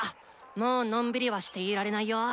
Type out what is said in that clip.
もうのんびりはしていられないよ！